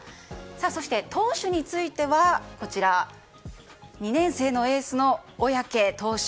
そして投手については２年生のエースの小宅投手。